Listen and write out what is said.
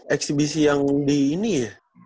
eksibisi yang di ini ya